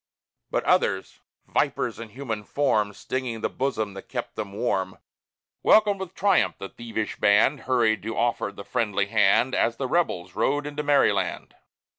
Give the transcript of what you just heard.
But others vipers in human form Stinging the bosom that kept them warm Welcomed with triumph the thievish band, Hurried to offer the friendly hand, As the Rebels rode into Maryland.